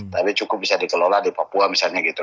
tapi cukup bisa dikelola di papua misalnya gitu